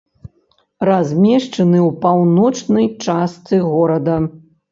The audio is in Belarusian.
Размешчаны ў паўночнай частцы горада.